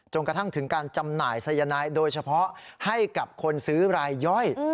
กระทั่งถึงการจำหน่ายสายนายโดยเฉพาะให้กับคนซื้อรายย่อย